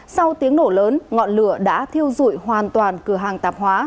sau tiếng nổ lớn ngọn lửa đã thiêu dụi hoàn toàn cửa hàng tạp hóa